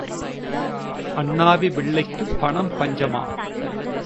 அண்ணாவி பிள்ளைக்குப் பணம் பஞ்சமா?